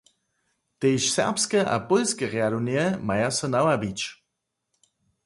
Tež serbske a pólske rjadownje maja so nawabić.